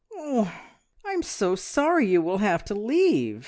"Oh, I'm so sorry you will have to leave!"